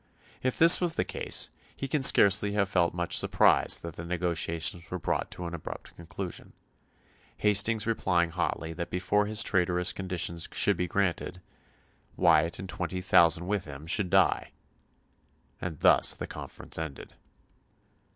If this was the case, he can scarcely have felt much surprise that the negotiations were brought to an abrupt conclusion, Hastings replying hotly that before his traitorous conditions should be granted, Wyatt and twenty thousand with him should die. And thus the conference ended.